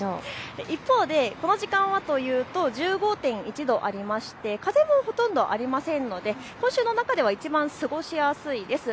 一方でこの時間はというと１５．１度ありまして、風もほとんどありませんので今週の中ではいちばん過ごしやすいです。